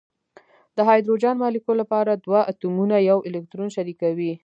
د هایدروجن مالیکول لپاره دوه اتومونه یو الکترون شریکوي.